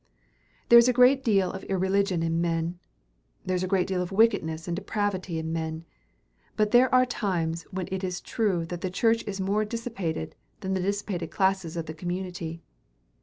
There is a great deal of irreligion in men, there is a great deal of wickedness and depravity in men, but there are times when it is true that the church is more dissipated than the dissipated classes of the community.